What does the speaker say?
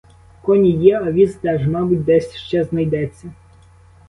Коні є, а віз теж, мабуть, десь ще знайдеться.